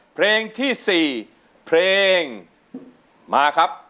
เพลงที่๔เพลงมาครับ